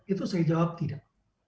itu saya jawab tidak